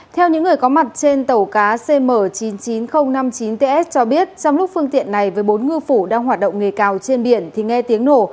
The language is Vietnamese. theo những người có mặt trên tàu cá cm chín mươi chín nghìn năm mươi chín ts cho biết trong lúc phương tiện này với bốn ngư phủ đang hoạt động nghề cào trên biển thì nghe tiếng nổ